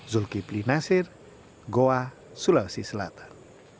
zulkifli nasir goa sulawesi selatan